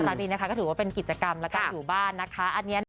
รักดีนะคะก็ถือว่าเป็นกิจกรรมแล้วก็อยู่บ้านนะคะ